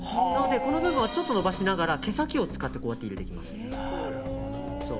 この部分をちょっと伸ばしながら毛先を使って入れていきます。